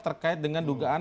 terkait dengan dugaan